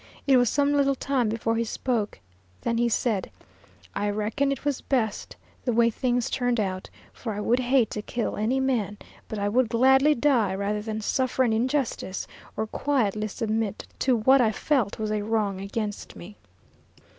It was some little time before he spoke, then he said: "I reckon it was best, the way things turned out, for I would hate to kill any man, but I would gladly die rather than suffer an injustice or quietly submit to what I felt was a wrong against me."